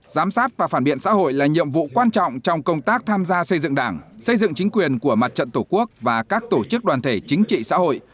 giám sát và phản biện xã hội là nhiệm vụ quan trọng trong công tác tham gia xây dựng đảng xây dựng chính quyền của mặt trận tổ quốc và các tổ chức đoàn thể chính trị xã hội